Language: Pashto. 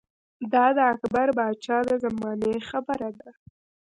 دا د اکبر باچا د زمانې خبره ده